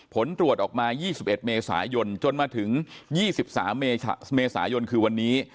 ผลตรวจออกมา๒๑เมษายนจนมาถึง๒๓เมษายนคือวันนี้